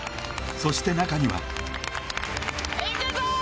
そして中にはいくぞー！